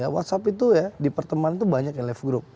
whatsapp itu ya di pertemanan itu banyak yang live group